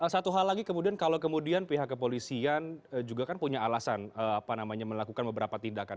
satu hal lagi kemudian kalau kemudian pihak kepolisian juga kan punya alasan melakukan beberapa tindakan